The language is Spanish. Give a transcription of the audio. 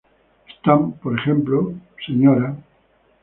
Están, por ejemplo, Mrs.